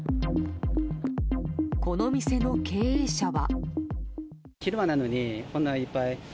この店の経営者は。